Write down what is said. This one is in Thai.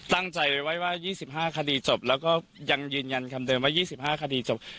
ตั้งใจไว้ว่า๒๕คดีจบแล้วก็ยังยืนยันคำเดิมว่า๒๕คดีจบ